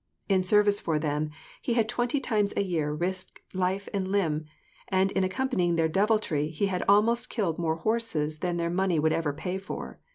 In service for them, he had twenty times a year risked life and limb, and in accomplishing their deviltry he had almost killetj more horses than their money would ever pay for.